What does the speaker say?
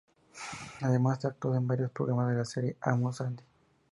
Además, actuó en varios programas de la serie "Amos 'n Andy".